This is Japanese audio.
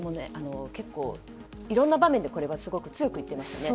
結構、いろんな場面でこれをすごく強く言ってましたね。